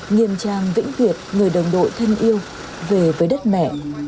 nghiêm trang vĩnh việt người đồng đội thân yêu về với đất mẹ